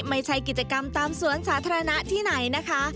ไม่ใช่กิจกรรมตามสวนสาธารณะที่ไหนนะคะ